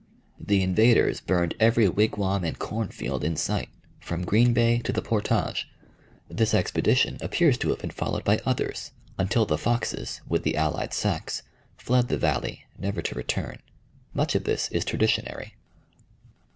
The invaders burned every wigwam and cornfield in sight, from Green Bay to the portage. This expedition appears to have been followed by others, until the Foxes, with the allied Sacs, fled the valley, never to return. Much of this is traditionary.